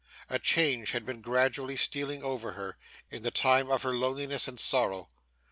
A change had been gradually stealing over her, in the time of her loneliness and sorrow.